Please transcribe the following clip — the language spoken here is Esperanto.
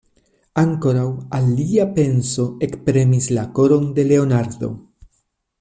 Ankoraŭ alia penso ekpremis la koron de Leonardo.